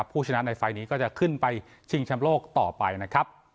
ผู้ชนะในไฟล์นี้ก็จะขึ้นไปชิงชำโลกต่อไปนะครับ